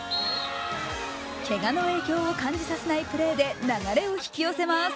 けがの影響を感じさせないプレーで流れを引き寄せます。